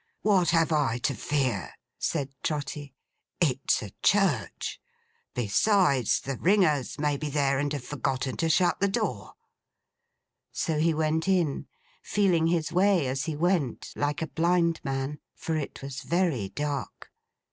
'What have I to fear?' said Trotty. 'It's a church! Besides, the ringers may be there, and have forgotten to shut the door.' So he went in, feeling his way as he went, like a blind man; for it was very dark.